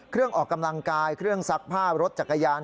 เครื่องออกกำลังกายเครื่องซักผ้ารถจักรยาน